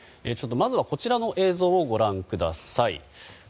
まずは、こちらの映像をご覧ください。